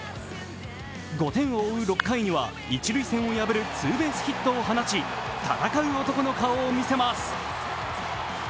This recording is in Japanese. ５点を追う６回にはツーベースヒットを放ち戦う男の顔を見せます。